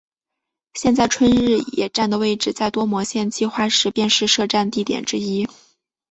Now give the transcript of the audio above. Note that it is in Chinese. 现在春日野站的位置在多摩线计画时便是设站地点之一。